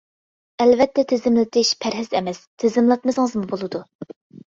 ئەلۋەتتە تىزىملىتىش پەرھىز ئەمەس، تىزىملاتمىسىڭىزمۇ بولىدۇ.